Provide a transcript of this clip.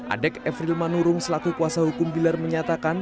adek efril manurung selaku kuasa hukum bilar menyatakan